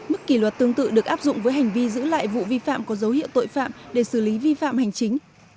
mức kỷ luật tương tự được áp dụng với hành vi giữ lại vụ vi phạm có dấu hiệu tội phạm để xử lý vi phạm hành chính